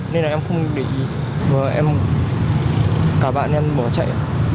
nên là em không để ý cả bạn em bỏ chạy